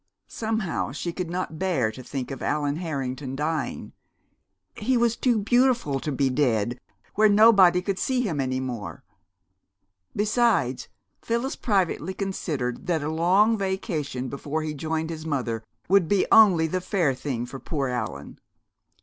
Somehow she could not bear to think of Allan Harrington's dying. He was too beautiful to be dead, where nobody could see him any more. Besides, Phyllis privately considered that a long vacation before he joined his mother would be only the fair thing for "poor Allan."